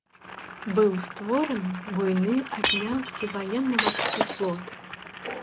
Быў створаны буйны акіянскі ваенна-марскі флот.